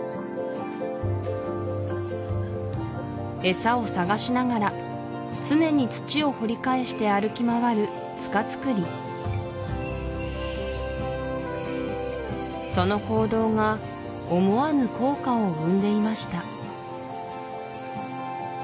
餌を探しながら常に土を掘り返して歩き回るツカツクリその行動が思わぬ効果を生んでいました